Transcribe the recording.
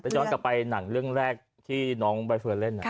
ย้อนกลับไปหนังเรื่องแรกที่น้องใบเฟิร์นเล่น